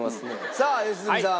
さあ良純さん。